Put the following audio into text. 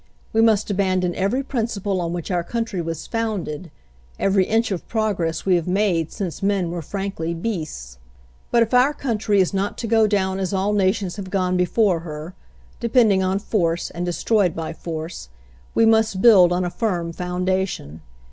We must abandon every principle on which our country was founded, every inch of progress we have made since men were frankly beasts. "But if our country is not to go down as all nations have gone before her, depending on force and destroyed by force, we must build on a firm foundation.